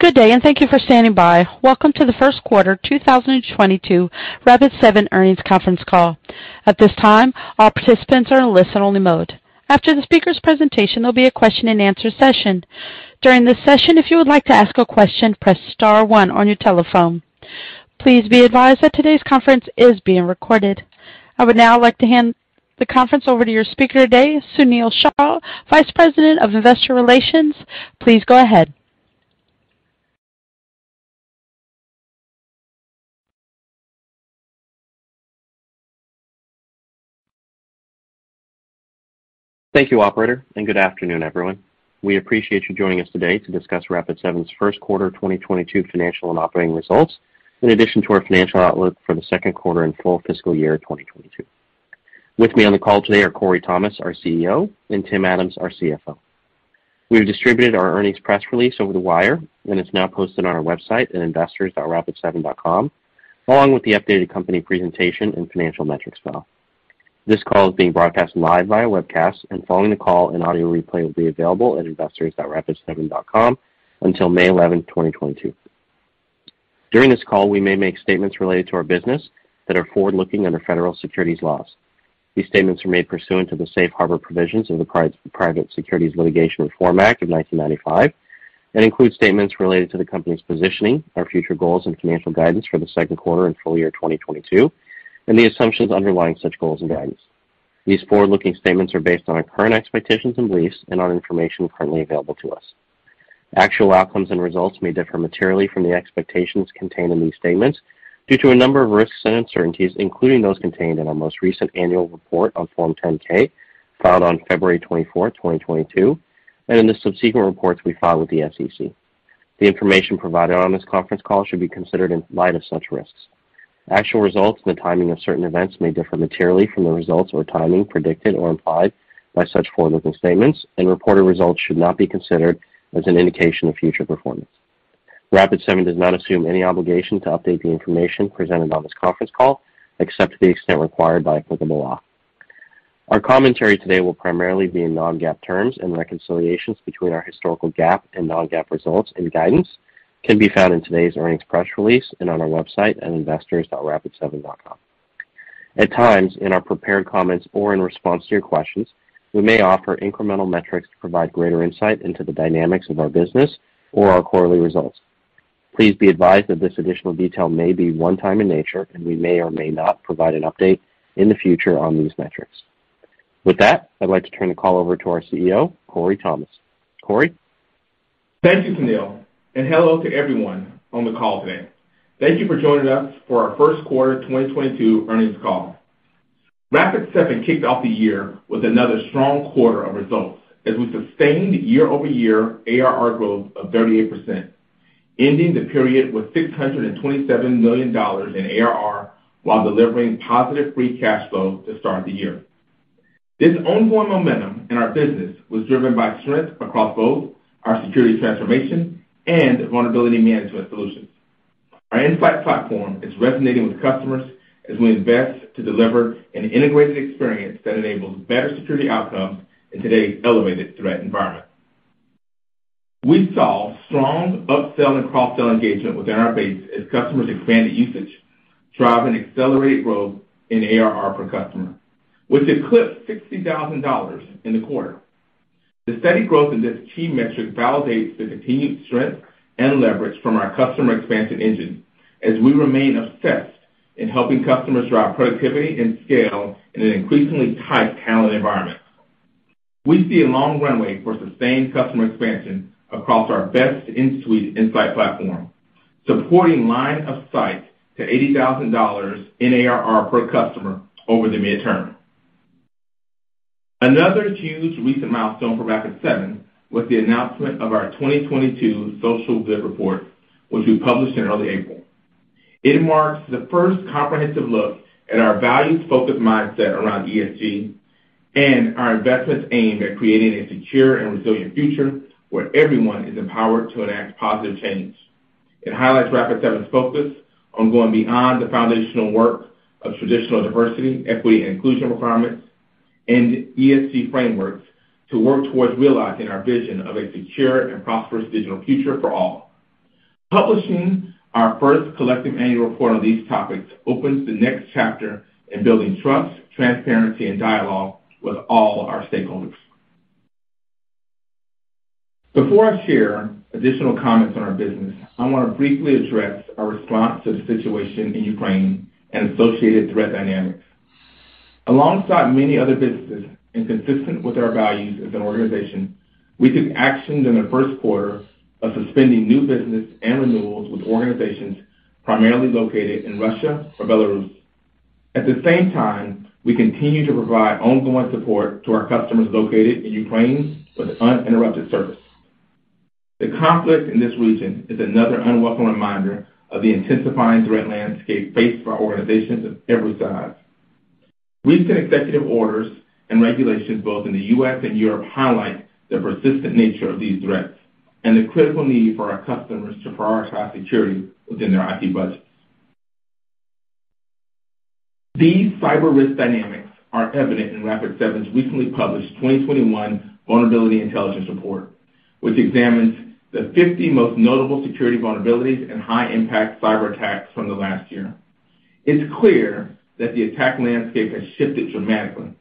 Good day, and thank you for standing by. Welcome to the first quarter 2022 Rapid7 earnings conference call. At this time, all participants are in listen-only mode. After the speaker's presentation, there'll be a question-and-answer session. During this session, if you would like to ask a question, press star one on your telephone. Please be advised that today's conference is being recorded. I would now like to hand the conference over to your speaker today, Sunil Shah, Vice President of Investor Relations. Please go ahead. Thank you, operator, and good afternoon, everyone. We appreciate you joining us today to discuss Rapid7's first quarter 2022 financial and operating results, in addition to our financial outlook for the second quarter and full fiscal year 2022. With me on the call today are Corey Thomas, our CEO, and Tim Adams, our CFO. We have distributed our earnings press release over the wire, and it's now posted on our website at investors.rapid7.com, along with the updated company presentation and financial metrics file. This call is being broadcast live via webcast, and following the call an audio replay will be available at investors.rapid7.com until May 11, 2022. During this call, we may make statements related to our business that are forward-looking under federal securities laws. These statements are made pursuant to the Safe Harbor provisions of the Private Securities Litigation Reform Act of 1995 and include statements related to the company's positioning, our future goals and financial guidance for the second quarter and full year 2022, and the assumptions underlying such goals and guidance. These forward-looking statements are based on our current expectations and beliefs and on information currently available to us. Actual outcomes and results may differ materially from the expectations contained in these statements due to a number of risks and uncertainties, including those contained in our most recent annual report on Form 10-K filed on February 24, 2022, and in the subsequent reports we file with the SEC. The information provided on this conference call should be considered in light of such risks. Actual results and the timing of certain events may differ materially from the results or timing predicted or implied by such forward-looking statements, and reported results should not be considered as an indication of future performance. Rapid7 does not assume any obligation to update the information presented on this conference call, except to the extent required by applicable law. Our commentary today will primarily be in non-GAAP terms and reconciliations between our historical GAAP and non-GAAP results and guidance can be found in today's earnings press release and on our website at investors.rapid7.com. At times, in our prepared comments or in response to your questions, we may offer incremental metrics to provide greater insight into the dynamics of our business or our quarterly results. Please be advised that this additional detail may be one time in nature, and we may or may not provide an update in the future on these metrics. With that, I'd like to turn the call over to our CEO, Corey Thomas. Corey? Thank you, Sunil, and hello to everyone on the call today. Thank you for joining us for our first quarter 2022 earnings call. Rapid7 kicked off the year with another strong quarter of results as we sustained year-over-year ARR growth of 38%, ending the period with $627 million in ARR while delivering positive free cash flow to start the year. This ongoing momentum in our business was driven by strength across both our security transformation and vulnerability management solutions. Our Insight Platform is resonating with customers as we invest to deliver an integrated experience that enables better security outcomes in today's elevated threat environment. We saw strong upsell and cross-sell engagement within our base as customers expanded usage, driving accelerated growth in ARR per customer, which eclipsed $60,000 in the quarter. The steady growth in this key metric validates the continued strength and leverage from our customer expansion engine as we remain obsessed in helping customers drive productivity and scale in an increasingly tight talent environment. We see a long runway for sustained customer expansion across our best in suite Insight Platform, supporting line of sight to $80,000 in ARR per customer over the midterm. Another huge recent milestone for Rapid7 was the announcement of our 2022 Social Good Report, which we published in early April. It marks the first comprehensive look at our values-focused mindset around ESG and our investments aimed at creating a secure and resilient future where everyone is empowered to enact positive change. It highlights Rapid7's focus on going beyond the foundational work of traditional diversity, equity, and inclusion requirements and ESG frameworks to work towards realizing our vision of a secure and prosperous digital future for all. Publishing our first collective annual report on these topics opens the next chapter in building trust, transparency, and dialogue with all our stakeholders. Before I share additional comments on our business, I want to briefly address our response to the situation in Ukraine and associated threat dynamics. Alongside many other businesses and consistent with our values as an organization, we took actions in the first quarter of suspending new business and renewals with organizations primarily located in Russia or Belarus. At the same time, we continue to provide ongoing support to our customers located in Ukraine for the uninterrupted service. The conflict in this region is another unwelcome reminder of the intensifying threat landscape faced by organizations of every size. Recent executive orders and regulations both in the U.S. and Europe highlight the persistent nature of these threats and the critical need for our customers to prioritize security within their IT budgets. These cyber risk dynamics are evident in Rapid7's recently published 2021 Vulnerability Intelligence Report, which examines the 50 most notable security vulnerabilities and high-impact cyber attacks from the last year. It's clear that the attack landscape has shifted dramatically.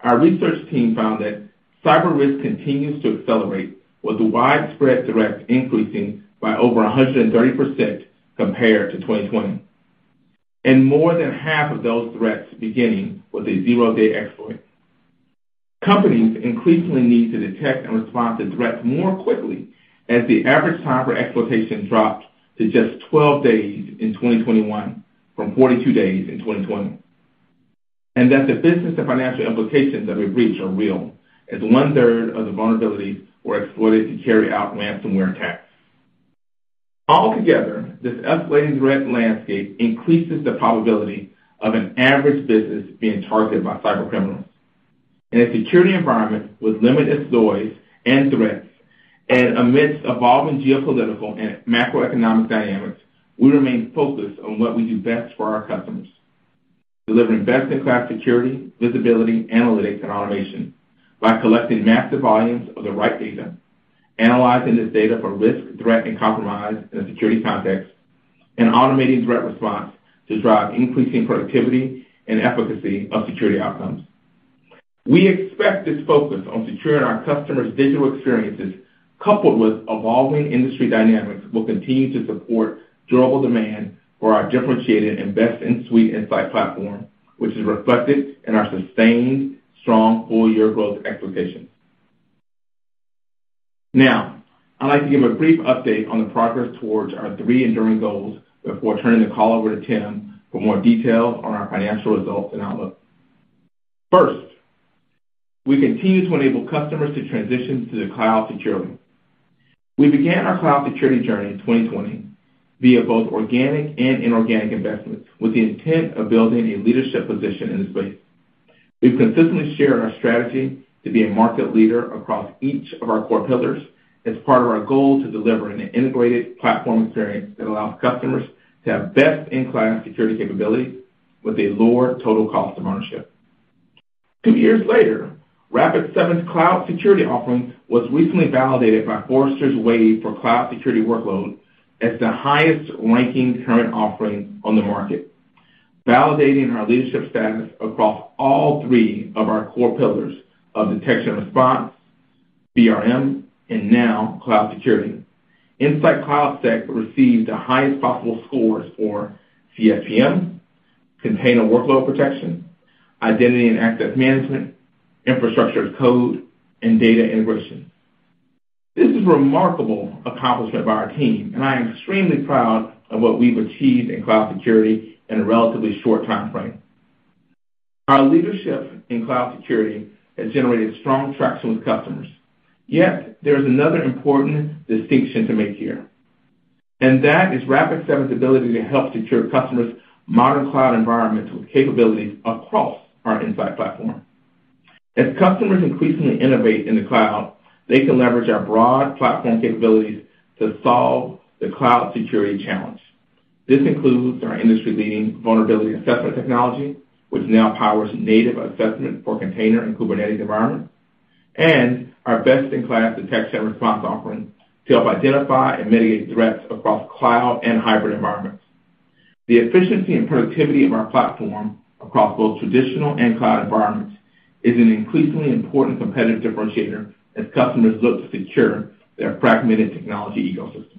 Our research team found that cyber risk continues to accelerate, with the widespread threats increasing by over 130% compared to 2020, and more than half of those threats beginning with a zero-day exploit. Companies increasingly need to detect and respond to threats more quickly as the average time for exploitation dropped to just 12 days in 2021 from 42 days in 2020. That the business and financial implications of a breach are real, as one-third of the vulnerabilities were exploited to carry out ransomware attacks. Altogether, this escalating threat landscape increases the probability of an average business being targeted by cybercriminals. In a security environment with limited noise and threats, and amidst evolving geopolitical and macroeconomic dynamics, we remain focused on what we do best for our customers, delivering best-in-class security, visibility, analytics, and automation by collecting massive volumes of the right data, analyzing this data for risk, threat, and compromise in a security context, and automating threat response to drive increasing productivity and efficacy of security outcomes. We expect this focus on securing our customers' digital experiences, coupled with evolving industry dynamics, will continue to support durable demand for our differentiated and best-in-suite Insight Platform, which is reflected in our sustained strong full-year growth expectations. Now, I'd like to give a brief update on the progress towards our three enduring goals before turning the call over to Tim for more details on our financial results and outlook. First, we continue to enable customers to transition to the cloud securely. We began our cloud security journey in 2020 via both organic and inorganic investments with the intent of building a leadership position in the space. We've consistently shared our strategy to be a market leader across each of our core pillars as part of our goal to deliver an integrated platform experience that allows customers to have best-in-class security capability with a lower total cost of ownership. Two years later, Rapid7's cloud security offering was recently validated by Forrester Wave for cloud security workload as the highest-ranking current offering on the market, validating our leadership status across all three of our core pillars of detection and response, VRM, and now cloud security. InsightCloudSec received the highest possible scores for CSPM, container workload protection, identity and access management, infrastructure as code, and data integration. This is a remarkable accomplishment by our team, and I am extremely proud of what we've achieved in cloud security in a relatively short timeframe. Our leadership in cloud security has generated strong traction with customers. Yet, there is another important distinction to make here, and that is Rapid7's ability to help secure customers' modern cloud environments with capabilities across our Insight platform. As customers increasingly innovate in the cloud, they can leverage our broad platform capabilities to solve the cloud security challenge. This includes our industry-leading vulnerability assessment technology, which now powers native assessment for container and Kubernetes environments, and our best-in-class detection and response offerings to help identify and mitigate threats across cloud and hybrid environments. The efficiency and productivity of our platform across both traditional and cloud environments is an increasingly important competitive differentiator as customers look to secure their fragmented technology ecosystem.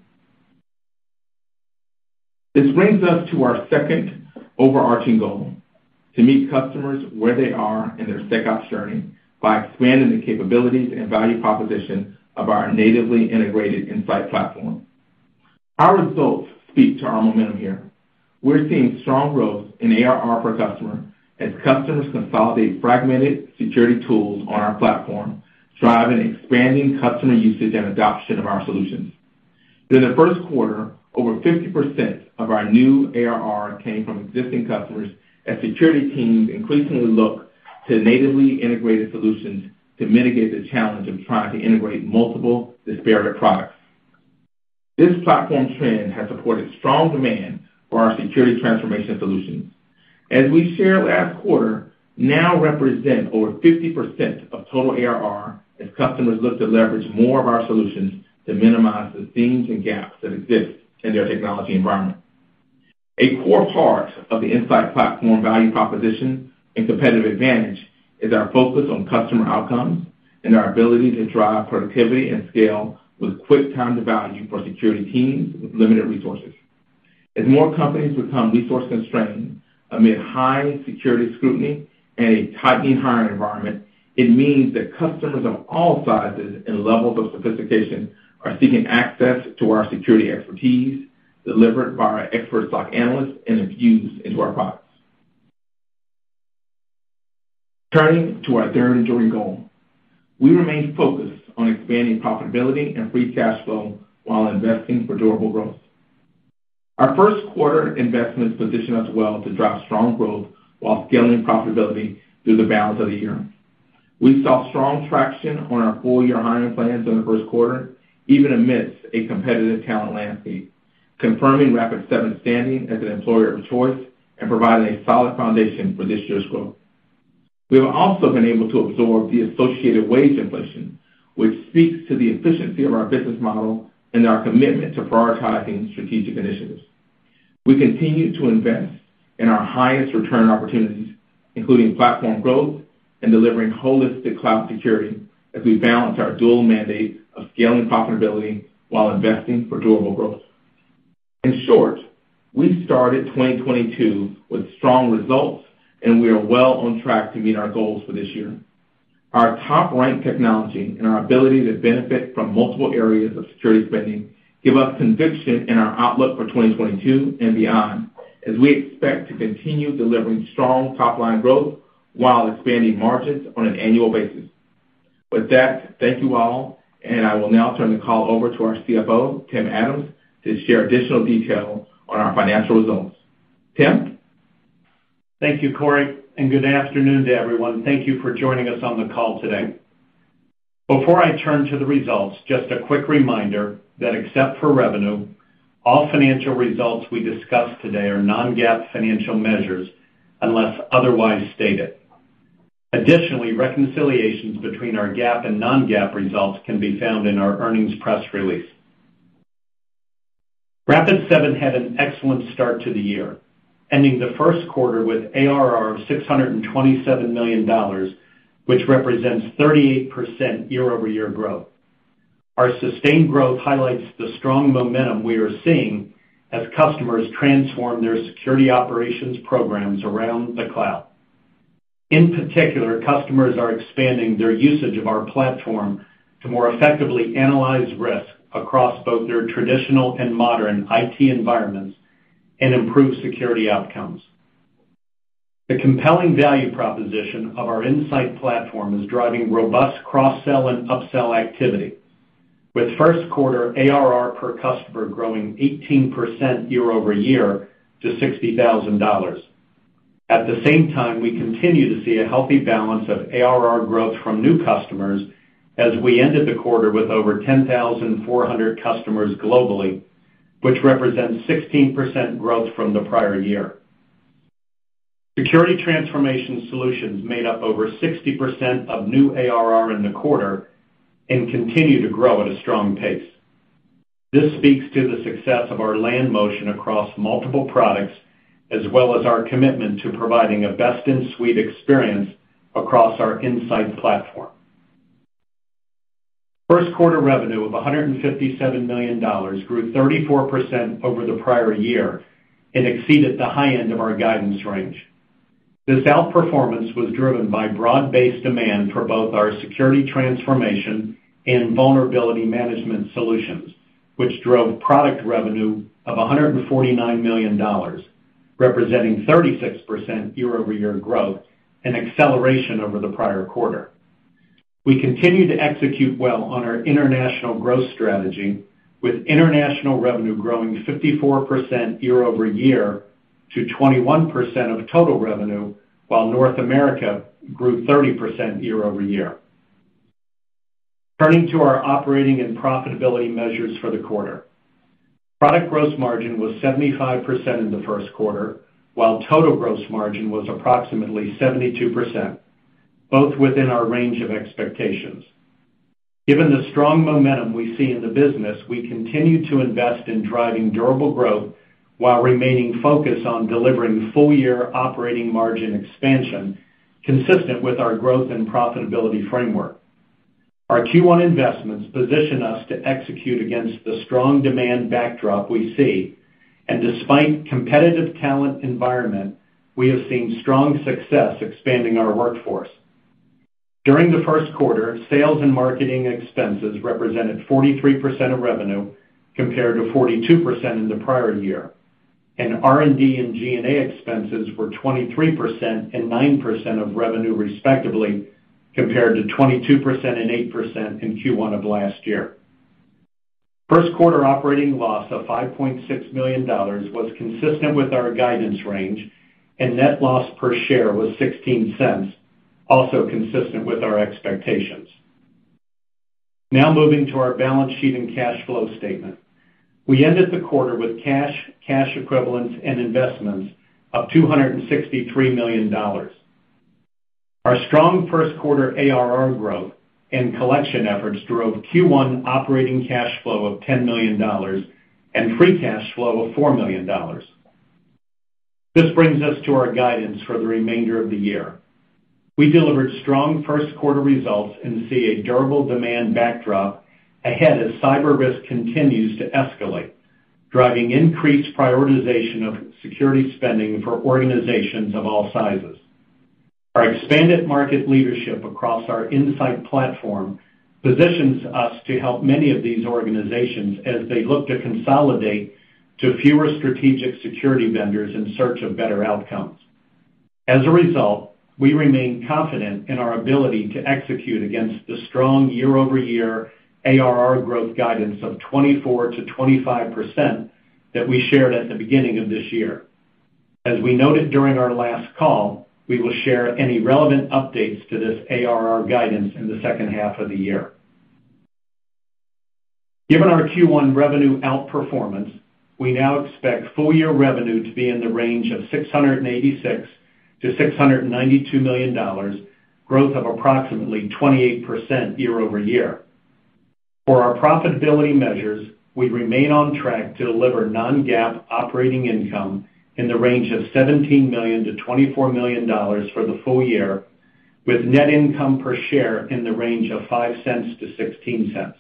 This brings us to our second overarching goal, to meet customers where they are in their SecOps journey by expanding the capabilities and value proposition of our natively integrated Insight Platform. Our results speak to our momentum here. We're seeing strong growth in ARR per customer as customers consolidate fragmented security tools on our platform, driving expanding customer usage and adoption of our solutions. During the first quarter, over 50% of our new ARR came from existing customers as security teams increasingly look to natively integrated solutions to mitigate the challenge of trying to integrate multiple disparate products. This platform trend has supported strong demand for our security transformation solutions. As we shared last quarter, now represent over 50% of total ARR as customers look to leverage more of our solutions to minimize the seams and gaps that exist in their technology environment. A core part of the Insight Platform value proposition and competitive advantage is our focus on customer outcomes and our ability to drive productivity and scale with quick time to value for security teams with limited resources. As more companies become resource-constrained amid high security scrutiny and a tightening hiring environment, it means that customers of all sizes and levels of sophistication are seeking access to our security expertise delivered by our expert SOC analysts and infused into our products. Turning to our third enduring goal. We remain focused on expanding profitability and free cash flow while investing for durable growth. Our first quarter investments position us well to drive strong growth while scaling profitability through the balance of the year. We saw strong traction on our full-year hiring plans in the first quarter, even amidst a competitive talent landscape, confirming Rapid7's standing as an employer of choice and providing a solid foundation for this year's growth. We have also been able to absorb the associated wage inflation, which speaks to the efficiency of our business model and our commitment to prioritizing strategic initiatives. We continue to invest in our highest return opportunities, including platform growth and delivering holistic cloud security as we balance our dual mandate of scaling profitability while investing for durable growth. In short, we started 2022 with strong results, and we are well on track to meet our goals for this year. Our top-ranked technology and our ability to benefit from multiple areas of security spending give us conviction in our outlook for 2022 and beyond as we expect to continue delivering strong top-line growth while expanding margins on an annual basis. With that, thank you all, and I will now turn the call over to our CFO, Tim Adams, to share additional details on our financial results. Tim? Thank you, Corey, and good afternoon to everyone. Thank you for joining us on the call today. Before I turn to the results, just a quick reminder that except for revenue, all financial results we discuss today are non-GAAP financial measures unless otherwise stated. Additionally, reconciliations between our GAAP and non-GAAP results can be found in our earnings press release. Rapid7 had an excellent start to the year, ending the first quarter with ARR of $627 million, which represents 38% year-over-year growth. Our sustained growth highlights the strong momentum we are seeing as customers transform their security operations programs around the cloud. In particular, customers are expanding their usage of our platform to more effectively analyze risk across both their traditional and modern IT environments and improve security outcomes. The compelling value proposition of our Insight Platform is driving robust cross-sell and upsell activity, with first quarter ARR per customer growing 18% year-over-year to $60,000. At the same time, we continue to see a healthy balance of ARR growth from new customers as we ended the quarter with over 10,400 customers globally, which represents 16% growth from the prior year. Security transformation solutions made up over 60% of new ARR in the quarter and continue to grow at a strong pace. This speaks to the success of our land motion across multiple products as well as our commitment to providing a best-in-suite experience across our Insight Platform. First quarter revenue of $157 million grew 34% over the prior year and exceeded the high end of our guidance range. This outperformance was driven by broad-based demand for both our security transformation and vulnerability management solutions, which drove product revenue of $149 million, representing 36% year-over-year growth and acceleration over the prior quarter. We continue to execute well on our international growth strategy, with international revenue growing 54% year-over-year to 21% of total revenue, while North America grew 30% year-over-year. Turning to our operating and profitability measures for the quarter. Product gross margin was 75% in the first quarter, while total gross margin was approximately 72%, both within our range of expectations. Given the strong momentum we see in the business, we continue to invest in driving durable growth while remaining focused on delivering full-year operating margin expansion consistent with our growth and profitability framework. Our Q1 investments position us to execute against the strong demand backdrop we see. Despite competitive talent environment, we have seen strong success expanding our workforce. During the first quarter, sales and marketing expenses represented 43% of revenue, compared to 42% in the prior year, and R&D and G&A expenses were 23% and 9% of revenue, respectively, compared to 22% and 8% in Q1 of last year. First quarter operating loss of $5.6 million was consistent with our guidance range, and net loss per share was $0.16, also consistent with our expectations. Now moving to our balance sheet and cash flow statement. We ended the quarter with cash equivalents, and investments of $263 million. Our strong first quarter ARR growth and collection efforts drove Q1 operating cash flow of $10 million and free cash flow of $4 million. This brings us to our guidance for the remainder of the year. We delivered strong first quarter results and see a durable demand backdrop ahead as cyber risk continues to escalate, driving increased prioritization of security spending for organizations of all sizes. Our expanded market leadership across our Insight Platform positions us to help many of these organizations as they look to consolidate to fewer strategic security vendors in search of better outcomes. As a result, we remain confident in our ability to execute against the strong year-over-year ARR growth guidance of 24%-25% that we shared at the beginning of this year. As we noted during our last call, we will share any relevant updates to this ARR guidance in the second half of the year. Given our Q1 revenue outperformance, we now expect full year revenue to be in the range of $686 million-$692 million, growth of approximately 28% year-over-year. For our profitability measures, we remain on track to deliver non-GAAP operating income in the range of $17 million-$24 million for the full year, with net income per share in the range of $0.05-$0.16.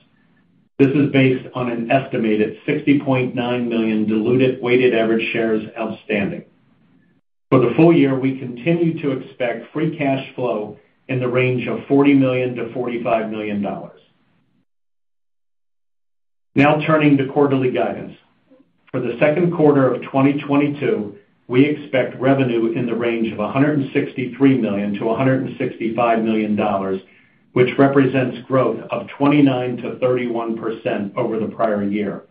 This is based on an estimated 60.9 million diluted weighted average shares outstanding. For the full year, we continue to expect free cash flow in the range of $40 million-$45 million. Now turning to quarterly guidance. For the second quarter of 2022, we expect revenue in the range of $163 million-$165 million, which represents growth of 29%-31% over the prior year.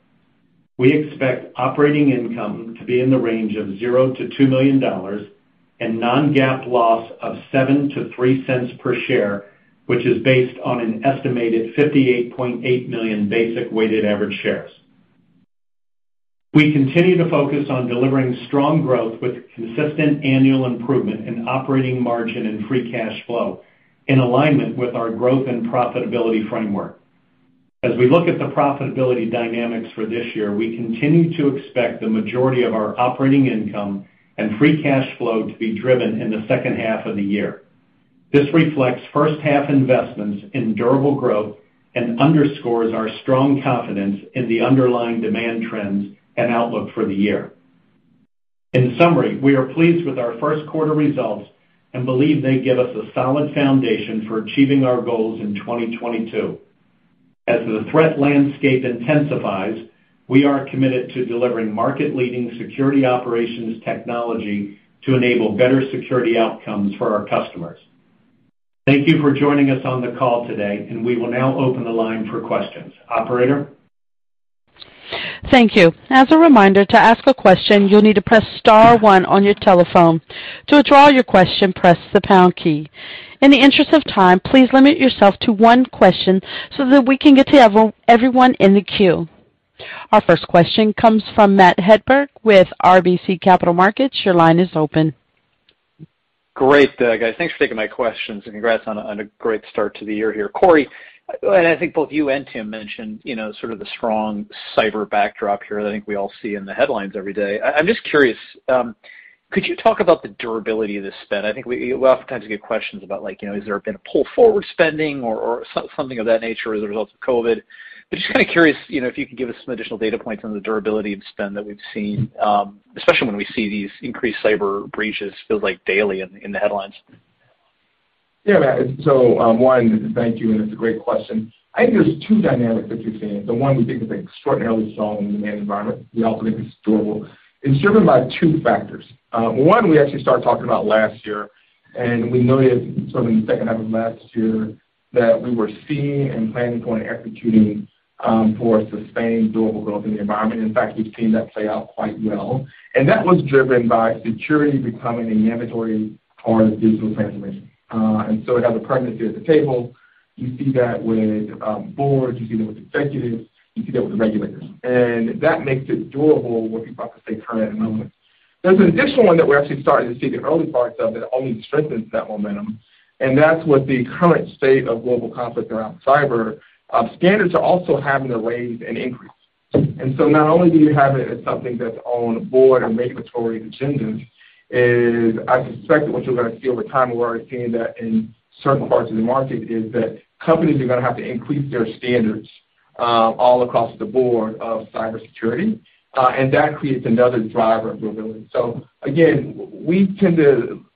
We expect operating income to be in the range of $0-$2 million and non-GAAP loss of $0.07-$0.03 per share, which is based on an estimated 58.8 million basic weighted average shares. We continue to focus on delivering strong growth with consistent annual improvement in operating margin and free cash flow in alignment with our growth and profitability framework. As we look at the profitability dynamics for this year, we continue to expect the majority of our operating income and free cash flow to be driven in the second half of the year. This reflects first half investments in durable growth and underscores our strong confidence in the underlying demand trends and outlook for the year. In summary, we are pleased with our first quarter results and believe they give us a solid foundation for achieving our goals in 2022. As the threat landscape intensifies, we are committed to delivering market-leading security operations technology to enable better security outcomes for our customers. Thank you for joining us on the call today, and we will now open the line for questions. Operator? Thank you. As a reminder, to ask a question, you'll need to press star one on your telephone. To withdraw your question, press the pound key. In the interest of time, please limit yourself to one question so that we can get to everyone in the queue. Our first question comes from Matt Hedberg with RBC Capital Markets. Your line is open. Great, guys. Thanks for taking my questions and congrats on a great start to the year here. Corey, I think both you and Tim mentioned, you know, sort of the strong cyber backdrop here that I think we all see in the headlines every day. I'm just curious, could you talk about the durability of this spend? I think oftentimes we get questions about like, you know, has there been a pull-forward spending or something of that nature as a result of COVID. Just kind of curious, you know, if you could give us some additional data points on the durability of spend that we've seen, especially when we see these increased cyber breaches, feels like daily in the headlines. Yeah, Matt. One, thank you, and it's a great question. I think there's two dynamics that you're seeing. The one we think is extraordinarily strong in the environment. We also think it's durable. It's driven by two factors. One we actually started talking about last year, and we noted sort of in the second half of last year that we were seeing and planning on executing for sustained durable growth in the environment. In fact, we've seen that play out quite well. That was driven by security becoming a mandatory part of digital transformation. It has a presence here at the table. You see that with boards, you see that with executives, you see that with regulators. That makes it durable where people have to stay current and relevant. There's an additional one that we're actually starting to see the early parts of that only strengthens that momentum, and that's with the current state of global conflict around cyber, standards are also having to raise and increase. Not only do you have it as something that's on board or mandatory agendas, is I suspect what you're gonna see over time, we're already seeing that in certain parts of the market, is that companies are gonna have to increase their standards, all across the board of cybersecurity, and that creates another driver of durability. Again,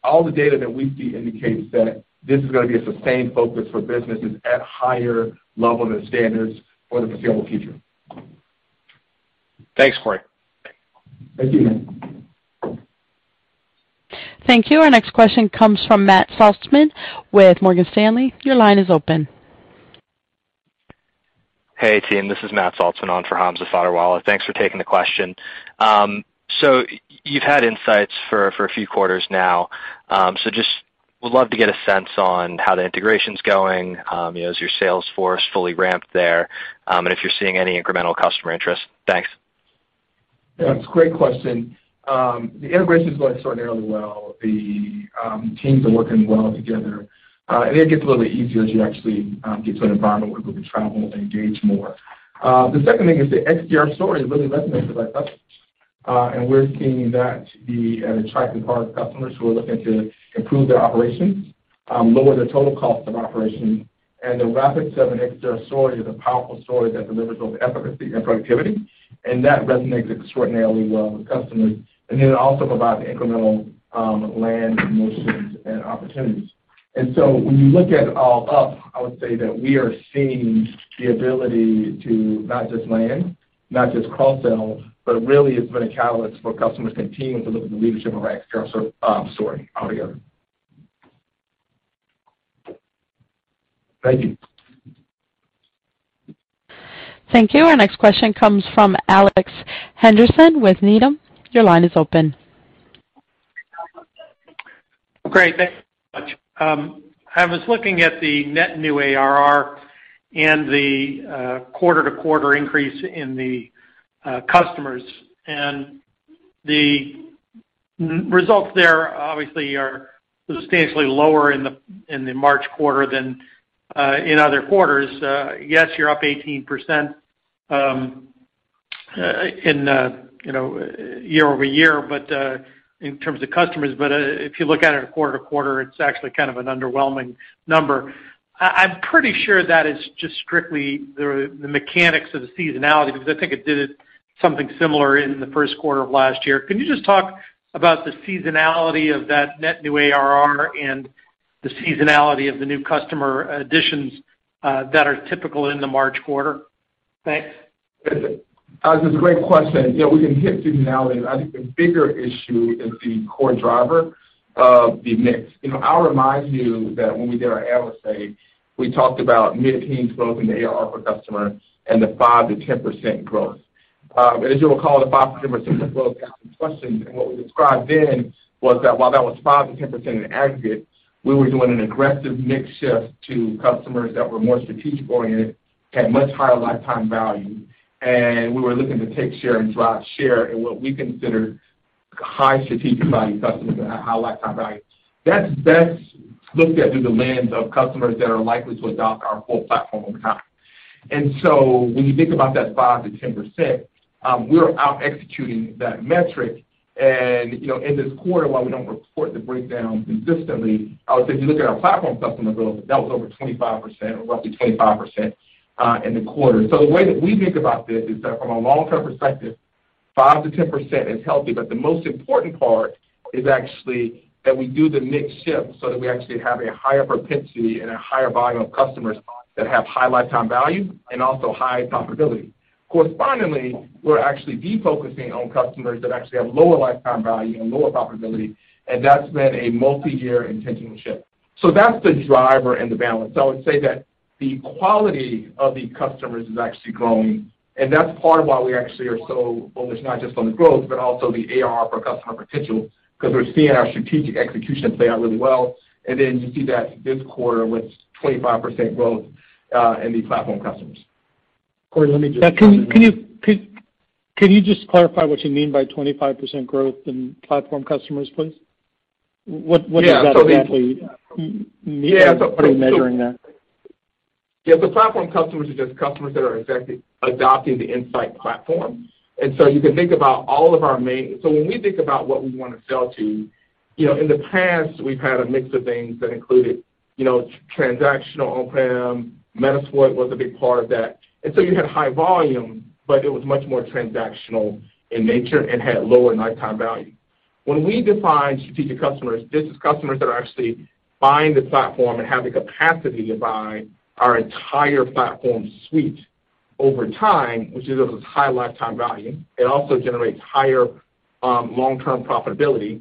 all the data that we see indicates that this is gonna be a sustained focus for businesses at higher level of the standards for the foreseeable future. Thanks, Corey. Thank you. Thank you. Our next question comes from Matt Salzman with Morgan Stanley. Your line is open. Hey, team, this is Matt Salzman on for Hamza Fodderwala. Thanks for taking the question. So you've had IntSights for a few quarters now. So just would love to get a sense on how the integration's going, you know, is your sales force fully ramped there, and if you're seeing any incremental customer interest. Thanks. Yeah, it's a great question. The integration is going extraordinarily well. The teams are working well together. It gets a little easier as you actually get to an environment where people can travel and engage more. The second thing is the XDR story really resonates with our customers, and we're seeing that be an attractive part of customers who are looking to improve their operations, lower their total cost of operation. The Rapid7 XDR story is a powerful story that delivers both efficacy and productivity, and that resonates extraordinarily well with customers. It also provides incremental land motions and opportunities. When you look at it all up, I would say that we are seeing the ability to not just land, not just cross-sell, but really it's been a catalyst for customers continuing to look at the leadership of our XDR story all together. Thank you. Thank you. Our next question comes from Alex Henderson with Needham. Your line is open. Great. Thanks so much. I was looking at the net new ARR and the quarter-to-quarter increase in the customers, and the net results there obviously are substantially lower in the March quarter than in other quarters. Yes, you're up 18% year-over-year in terms of customers. But if you look at it quarter-to-quarter, it's actually kind of an underwhelming number. I'm pretty sure that is just strictly the mechanics of the seasonality because I think it did something similar in the first quarter of last year. Can you just talk about the seasonality of that net new ARR and the seasonality of the new customer additions that are typical in the March quarter? Thanks. That's a great question. You know, we can hit seasonality. I think the bigger issue is the core driver of the mix. You know, I'll remind you that when we did our analyst day, we talked about mid-teens growth in the ARR per customer and the 5%-10% growth. As you'll recall, the 5%-10% growth got some questions. What we described then was that while that was 5%-10% in aggregate, we were doing an aggressive mix shift to customers that were more strategic-oriented, had much higher lifetime value, and we were looking to take share and drive share in what we consider high strategic value customers and high lifetime value. That's looked at through the lens of customers that are likely to adopt our full platform over time. When you think about that 5%-10%, we're out executing that metric. You know, in this quarter, while we don't report the breakdown consistently, I would say if you look at our platform customer growth, that was over 25% or roughly 25%, in the quarter. The way that we think about this is that from a long-term perspective, 5%-10% is healthy, but the most important part is actually that we do the mix shift so that we actually have a higher propensity and a higher volume of customers that have high lifetime value and also high profitability. Correspondingly, we're actually defocusing on customers that actually have lower lifetime value and lower profitability, and that's been a multi-year intentional shift. That's the driver and the balance. I would say that the quality of the customers is actually growing, and that's part of why we actually are so bullish, not just on the growth, but also the ARR per customer potential, because we're seeing our strategic execution play out really well. You see that this quarter with 25% growth in the platform customers. Corey, let me just. Could you just clarify what you mean by 25% growth in platform customers, please? What is that exactly meaning? How are you measuring that? Yeah. The platform customers are just customers that are exactly adopting the Insight Platform. You can think about what we wanna sell to. You know, in the past we've had a mix of things that included, you know, transactional on-prem. Metasploit was a big part of that. You had high volume, but it was much more transactional in nature and had lower lifetime value. When we define strategic customers, this is customers that are actually buying the platform and have the capacity to buy our entire platform suite over time, which gives us high lifetime value. It also generates higher long-term profitability,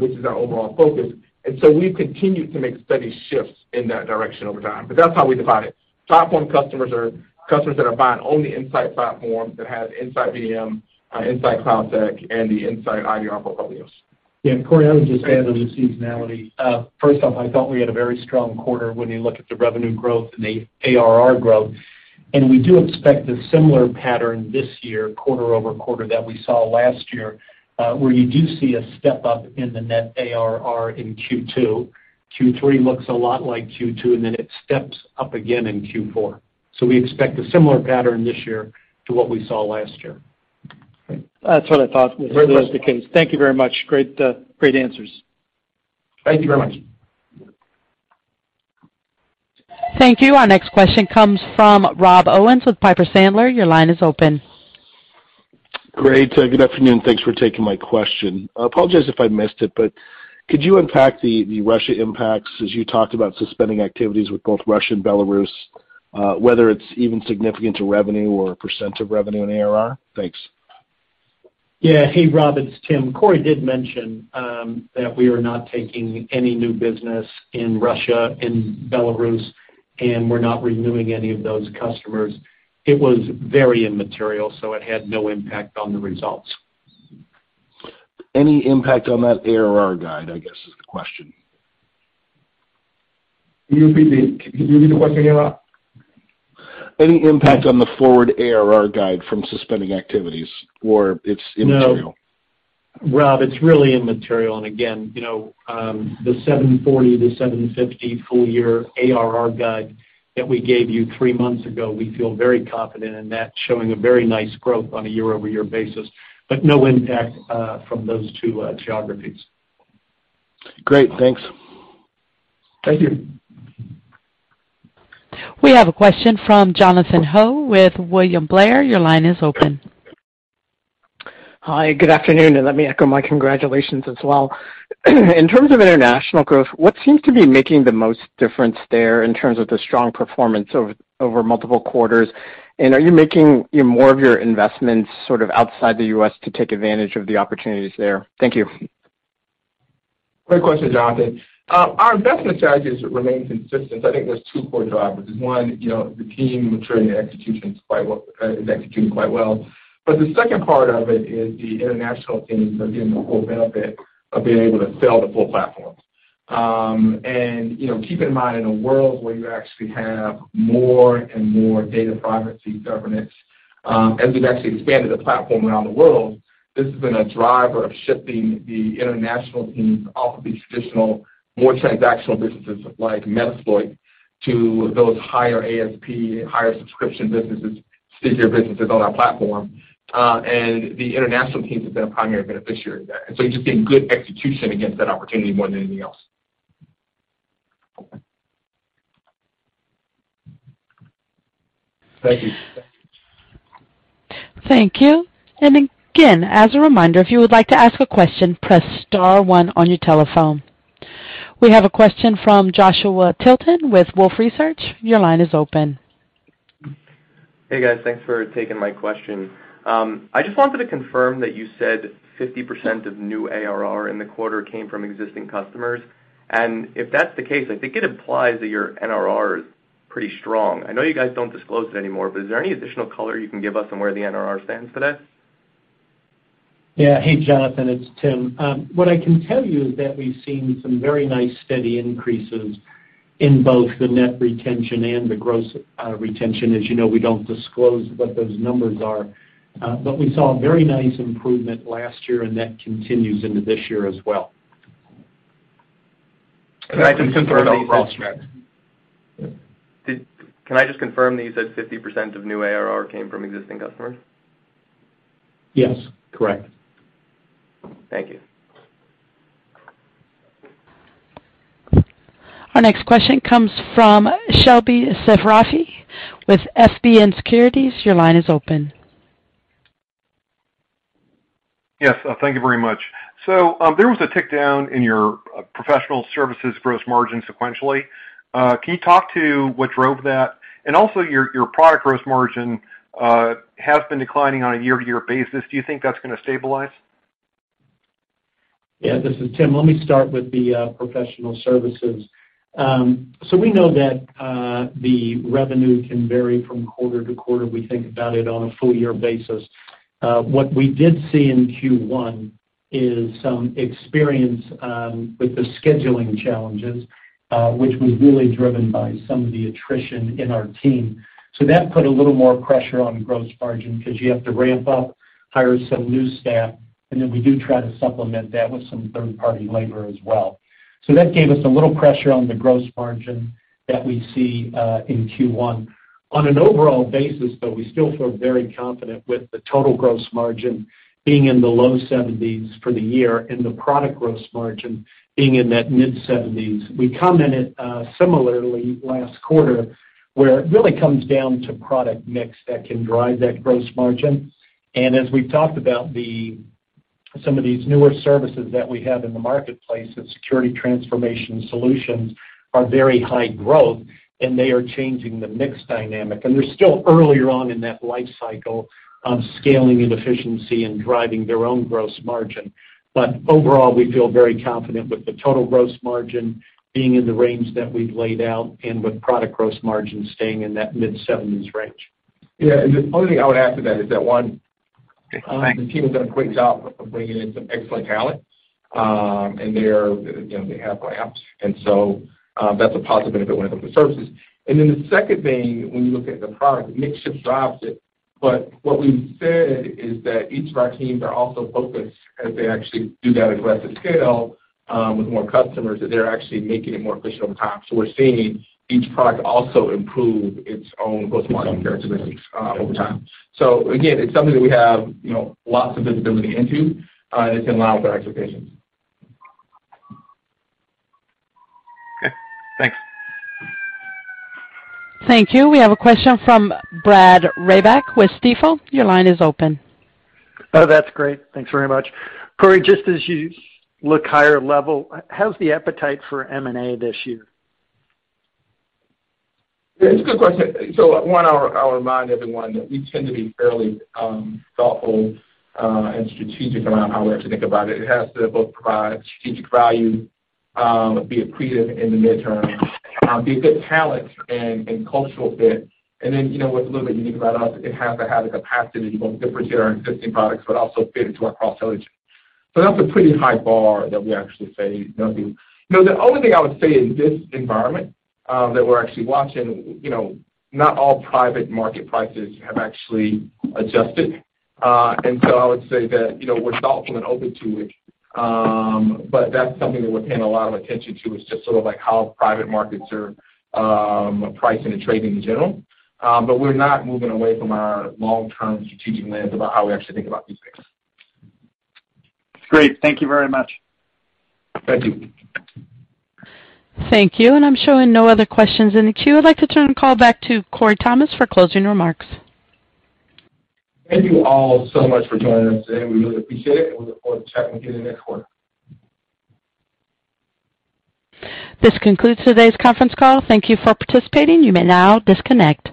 which is our overall focus. We've continued to make steady shifts in that direction over time. That's how we define it. Platform customers are customers that are buying only Insight Platform, that has InsightVM, InsightCloudSec, and the InsightIDR portfolios. Yeah, Corey, I would just add on the seasonality. First off, I felt we had a very strong quarter when you look at the revenue growth and the ARR growth. We do expect a similar pattern this year, quarter over quarter, that we saw last year, where you do see a step-up in the net ARR in Q2. Q3 looks a lot like Q2, and then it steps up again in Q4. We expect a similar pattern this year to what we saw last year. That's what I thought was the case. Thank you very much. Great, great answers. Thank you very much. Thank you. Our next question comes from Rob Owens with Piper Sandler. Your line is open. Great. Good afternoon. Thanks for taking my question. I apologize if I missed it, but could you unpack the Russia impacts as you talked about suspending activities with both Russia and Belarus, whether it's even significant to revenue or percent of revenue and ARR? Thanks. Yeah. Hey, Rob, it's Tim. Corey did mention that we are not taking any new business in Russia, in Belarus, and we're not renewing any of those customers. It was very immaterial, so it had no impact on the results. Any impact on that ARR guide, I guess is the question? Can you repeat that? Can you repeat the question again, Rob? Any impact on the forward ARR guide from suspending activities or it's immaterial? No. Rob, it's really immaterial. Again, you know, the $740-$750 full year ARR guide that we gave you three months ago, we feel very confident in that showing a very nice growth on a year-over-year basis, but no impact from those two geographies. Great. Thanks. Thank you. We have a question from Jonathan Ho with William Blair. Your line is open. Hi, good afternoon, and let me echo my congratulations as well. In terms of international growth, what seems to be making the most difference there in terms of the strong performance over multiple quarters? Are you making more of your investments sort of outside the U.S. to take advantage of the opportunities there? Thank you. Great question, Jonathan. Our investment strategies remain consistent. I think there's two core drivers. One, you know, the team is executing quite well. The second part of it is the international teams are getting the full benefit of being able to sell the full platform. You know, keep in mind, in a world where you actually have more and more data privacy governance, as we've actually expanded the platform around the world, this has been a driver of shifting the international teams off of these traditional, more transactional businesses like Metasploit to those higher ASP, higher subscription businesses, stickier businesses on our platform. The international team has been a primary beneficiary of that. You're just getting good execution against that opportunity more than anything else. Thank you. Thank you. Again, as a reminder, if you would like to ask a question, press star one on your telephone. We have a question from Joshua Tilton with Wolfe Research. Your line is open. Hey, guys. Thanks for taking my question. I just wanted to confirm that you said 50% of new ARR in the quarter came from existing customers. If that's the case, I think it implies that your NRR is pretty strong. I know you guys don't disclose it anymore, but is there any additional color you can give us on where the NRR stands today? Yeah. Hey, Jonathan, it's Tim. What I can tell you is that we've seen some very nice steady increases in both the net retention and the gross retention. As you know, we don't disclose what those numbers are. We saw a very nice improvement last year, and that continues into this year as well. Can I just confirm that you said? I think since we're all cross-sell. Can I just confirm that you said 50% of new ARR came from existing customers? Yes, correct. Thank you. Our next question comes from Saket Kalia with Barclays. Your line is open. Yes. Thank you very much. There was a tick down in your professional services gross margin sequentially. Can you talk to what drove that? Also your product gross margin has been declining on a year-to-year basis. Do you think that's gonna stabilize? Yeah, this is Tim. Let me start with the professional services. We know that the revenue can vary from quarter to quarter. We think about it on a full year basis. What we did see in Q1 is some experience with the scheduling challenges, which was really driven by some of the attrition in our team. That put a little more pressure on the gross margin because you have to ramp up, hire some new staff, and then we do try to supplement that with some third-party labor as well. That gave us a little pressure on the gross margin that we see in Q1. On an overall basis, though, we still feel very confident with the total gross margin being in the low 70s% for the year and the product gross margin being in that mid-70s%. We commented similarly last quarter, where it really comes down to product mix that can drive that gross margin. As we've talked about some of these newer services that we have in the marketplace, the security transformation solutions are very high growth, and they are changing the mix dynamic. They're still earlier on in that life cycle of scaling and efficiency and driving their own gross margin. Overall, we feel very confident with the total gross margin being in the range that we've laid out and with product gross margin staying in that mid 70s% range. Yeah. The only thing I would add to that is that, one, the team has done a great job of bringing in some excellent talent, and they're, you know, they have labs. That's a positive benefit when it comes to services. Then the second thing, when you look at the product mix shifts drives it, but what we've said is that each of our teams are also focused as they actually do that aggressive scale, with more customers, that they're actually making it more efficient over time. We're seeing each product also improve its own gross margin characteristics, over time. Again, it's something that we have, you know, lots of visibility into, and it's in line with our expectations. Okay, thanks. Thank you. We have a question from Brad Reback with Stifel. Your line is open. Oh, that's great. Thanks very much. Corey, just as you look higher level, how's the appetite for M&A this year? Yeah, it's a good question. One, I'll remind everyone that we tend to be fairly thoughtful and strategic around how we actually think about it. It has to both provide strategic value, be accretive in the midterm, be a good talent and cultural fit. You know, what's a little bit unique about us, it has to have the capacity to both differentiate our existing products but also fit into our cross-selling team. That's a pretty high bar that we actually say no to. You know, the only thing I would say in this environment that we're actually watching, you know, not all private market prices have actually adjusted. I would say that, you know, we're thoughtful and open to it. That's something that we're paying a lot of attention to, just sort of like how private markets are pricing and trading in general. We're not moving away from our long-term strategic lens about how we actually think about these things. Great. Thank you very much. Thank you. Thank you. I'm showing no other questions in the queue. I'd like to turn the call back to Corey Thomas for closing remarks. Thank you all so much for joining us today. We really appreciate it, and we look forward to checking in with you next quarter. This concludes today's conference call. Thank you for participating. You may now disconnect.